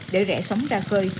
để rẽ sống ra khơi